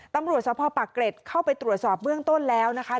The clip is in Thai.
ตำรวจสภปากเกร็ดเข้าไปตรวจสอบเบื้องต้นแล้วนะคะ